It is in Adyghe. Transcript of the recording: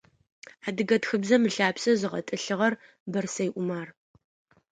Адыгэ тхыбзэм ылъапсэ зыгъэтӏылъыгъэр Бэрсэй Умар.